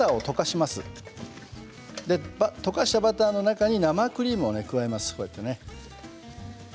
溶かしたバターの中に生クリームを加えます。